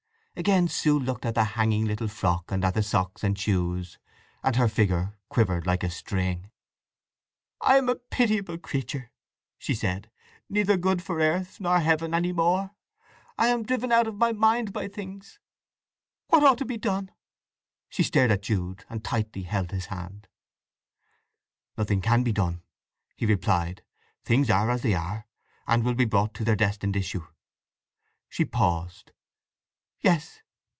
Again Sue looked at the hanging little frock and at the socks and shoes; and her figure quivered like a string. "I am a pitiable creature," she said, "good neither for earth nor heaven any more! I am driven out of my mind by things! What ought to be done?" She stared at Jude, and tightly held his hand. "Nothing can be done," he replied. "Things are as they are, and will be brought to their destined issue." She paused. "Yes!